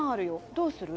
どうする？